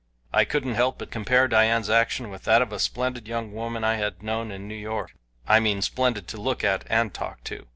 I couldn't help but compare Dian's action with that of a splendid young woman I had known in New York I mean splendid to look at and to talk to.